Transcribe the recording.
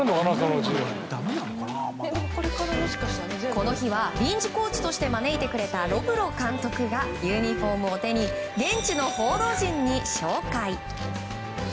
この日は臨時コーチとして招いてくれたロブロ監督がユニホームを手に現地の報道陣に紹介。